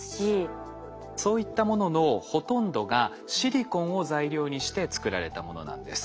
そういったもののほとんどがシリコンを材料にして作られたものなんです。